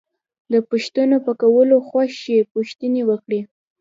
د پوښتنو په کولو خوښ شئ پوښتنې وکړئ.